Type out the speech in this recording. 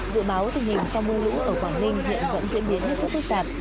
dự báo tình hình sau mưa lũ ở quảng ninh hiện vẫn diễn biến hết sức phức tạp